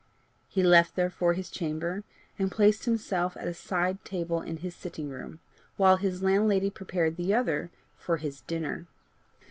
He left therefore his chamber, and placed himself at a side table in his sitting room, while his landlady prepared the other for his dinner.